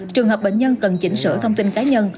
trường hợp bệnh nhân cần chỉnh sửa thông tin cá nhân